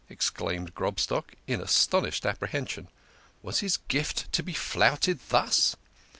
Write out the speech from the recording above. " exclaimed Grobstock, in astonished apprehension. Was his gift to be flouted thus